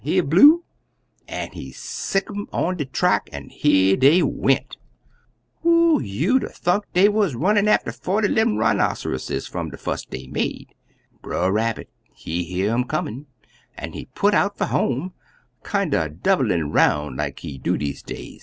Here, Blue!' an' he sicc'd um on de track, an' here dey went! "You'd 'a' thunk dey wuz runnin' atter forty lev'm rhinossyhosses fum de fuss dey made. Brer Rabbit he hear um comin' an' he put out fer home, kinder doublin' 'roun' des like he do deze days.